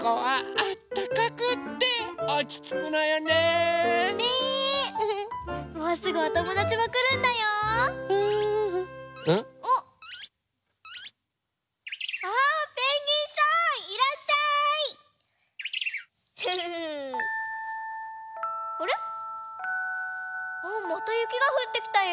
あっまたゆきがふってきたよ。